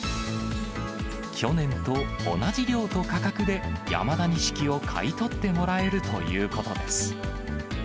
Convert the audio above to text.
去年と同じ量と価格で山田錦を買い取ってもらえるということです。